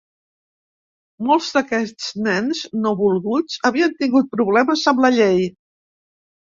Molts d'aquests nens no volguts havien tingut problemes amb la llei.